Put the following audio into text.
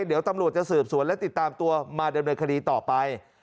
เดี๋ยวตำรวจจะสืบสวนและติดตามตัวมาดำเนินคดีต่อไป